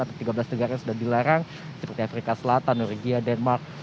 atau tiga belas negara yang sudah dilarang seperti afrika selatan norgia denmark